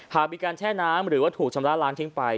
หากมีการแช่น้ำหรือว่าถูกชำระล้างทิ้งไป